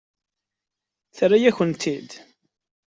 Terra-yakent-t-id?